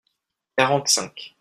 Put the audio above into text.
quarante cinq.